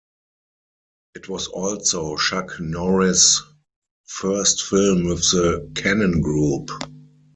It was also Chuck Norris's first film with The Cannon Group.